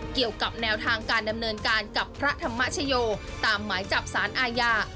เกี่ยวกับแนวทางการดำเนินการกับพระธรรมชโยตามหมายจับสารอาญา